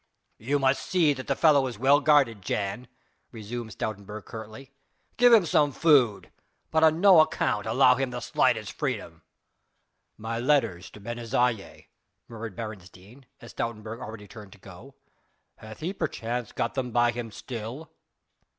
"You must see that the fellow is well guarded, Jan," resumed Stoutenburg curtly, "give him some food, but on no account allow him the slightest freedom." "My letters to Ben Isaje," murmured Beresteyn, as Stoutenburg already turned to go. "Hath he perchance got them by him still?"